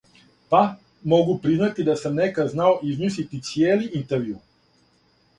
Па, могу признати да сам некад знао измислити цијели интервју.